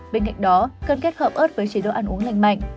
bên cạnh đó cần kết hợp ớt với chế độ ăn uống lành mạnh